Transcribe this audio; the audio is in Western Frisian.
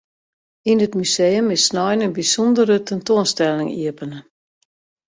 Yn it museum is snein in bysûndere tentoanstelling iepene.